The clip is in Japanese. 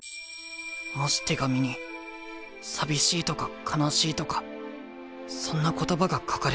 もし手紙に寂しいとか悲しいとかそんな言葉が書かれてあったら。